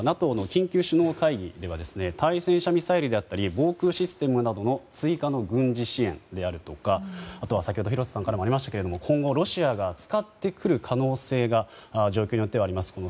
ＮＡＴＯ緊急首脳会議では対戦車ミサイルであったり防空システムなどの追加の軍事支援であるとかあとは先ほど廣瀬さんからもありましたが今後ロシアが使ってくる可能性が状況によってはあります